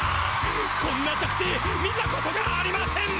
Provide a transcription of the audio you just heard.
こんな着地見たことがありません！